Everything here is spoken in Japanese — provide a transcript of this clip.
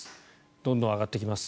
どんどん上がっていきます。